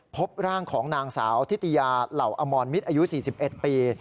พบร่างของนางสาวทิติยาเหล่าอมรมิตรอายุ๔๑ปี